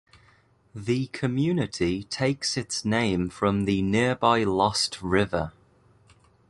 The community takes its name from the nearby Lost River.